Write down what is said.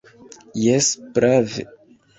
Jes, prave.